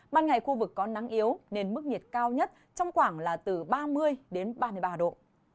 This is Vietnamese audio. ban ngày khu vực có nắng yếu nên mức nhiệt cao nhất trong khoảng là từ ba mươi đến ba mươi ba độ